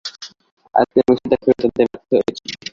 আর তুমি সেটা ফেরত আনতে ব্যর্থ হয়েছ।